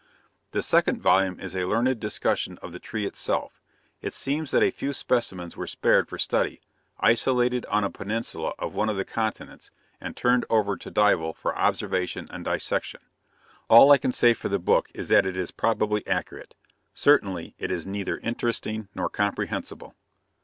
The second volume is a learned discussion of the tree itself; it seems that a few specimens were spared for study, isolated on a peninsula of one of the continents, and turned over to Dival for observation and dissection. All I can say for the book is that it is probably accurate. Certainly it is neither interesting nor comprehensible.